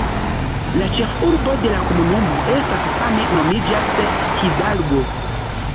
La ĉefurbo de la komunumo estas same nomiĝas "Hidalgo".